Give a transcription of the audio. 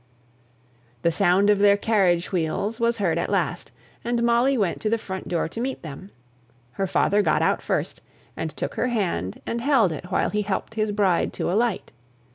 The sound of their carriage wheels was heard at last, and Molly went to the front door to meet them. Her father got out first, and took her hand and held it while he helped his bride to alight.